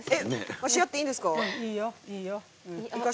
わしやっていいんですか？